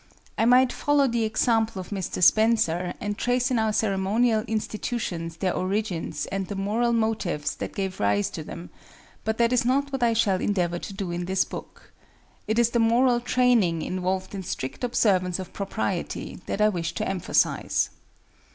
I might follow the example of Mr. Spencer and trace in our ceremonial institutions their origins and the moral motives that gave rise to them; but that is not what I shall endeavor to do in this book. It is the moral training involved in strict observance of propriety, that I wish to emphasize.